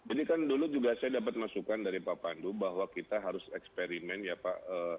ini kan dulu juga saya dapat masukan dari pak pandu bahwa kita harus eksperimen ya pak